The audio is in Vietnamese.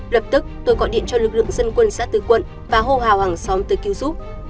lập tức tôi gọi điện cho lực lượng dân quân xã tư quận và hô hào hàng xóm tới cứu giúp